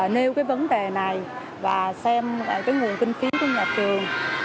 nêu cái vấn đề này và xem cái nguồn kinh phí của nhà trường